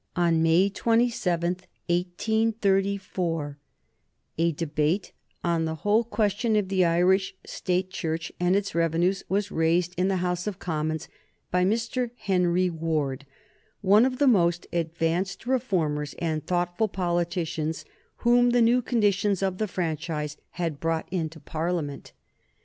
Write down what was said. On May 27, 1834, a debate on the whole question of the Irish State Church and its revenues was raised in the House of Commons by Mr. Henry Ward, one of the most advanced reformers and thoughtful politicians whom the new conditions of the franchise had brought into Parliament.